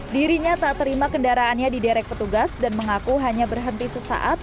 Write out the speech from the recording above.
dirinya tak terima kendaraannya di derek petugas dan mengaku hanya berhenti sesaat